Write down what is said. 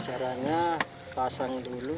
caranya pasang dulu